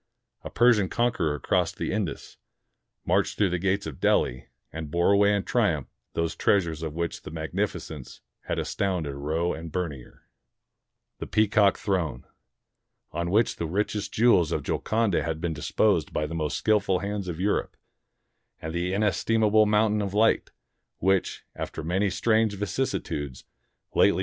A Persian conqueror crossed the Indus, marched through the gates of Delhi, and bore away in triumph those treasures of which the magnificence had astounded Roe and Bernier, — the Peacock Throne, on which the richest jewels of Golconda had been disposed by the most skillful hands of Europe, and the inestimable Mountain of Light, which, after many strange vicissitudes, lately.